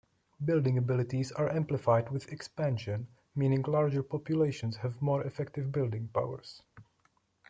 Building abilities are amplified with expansion, meaning larger populations have more effective building powers.